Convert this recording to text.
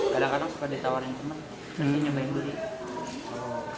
banyak orang suka ditawarin teman nanti nyobain beli